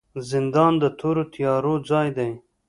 زندان د تورو تیارو ځای دی